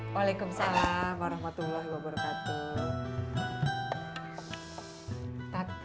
waalaikumsalam warahmatullah wabarakatuh